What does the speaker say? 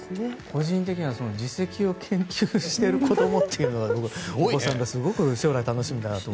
個人的には耳石を研究しているというお子さんがすごく将来が楽しみだなと。